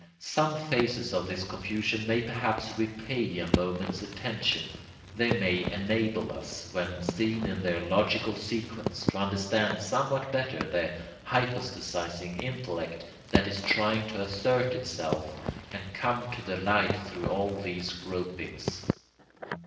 Some phases of this confusion may perhaps repay a moment's attention; they may enable us, when seen in their logical sequence, to understand somewhat better the hypostasising intellect that is trying to assert itself and come to the light through all these gropings.